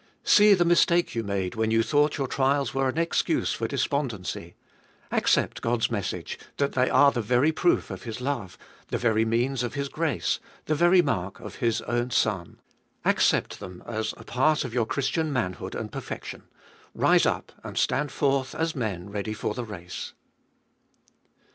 See the mistake you made when you thought your trials were an excuse for despondency ; accept God's mes sage, that they are the very proof of His love, the very means of His grace, the very mark of His own Son. Accept them as a part of your Christian manhood and perfection. Rise up and stand forth as men ready for the race.